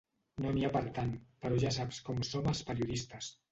No n'hi ha per tant, però ja saps com som els periodistes.